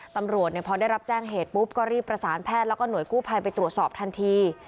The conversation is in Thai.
ตำรวจพอได้รับแจ้งเหตุปุ๊บก็รีบประสานแพทย์แล้วก็หน่วยกู้ภัยไปตรวจสอบทันที